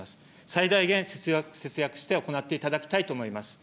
最大限節約して行っていただきたいと思います。